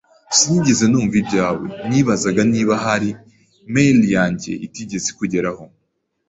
Sinigeze numva ibyawe. Nibazaga niba ahari mail yanjye itigeze ikugeraho.